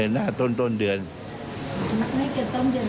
หน้าต้นเดือนโอ๊ยค่ะ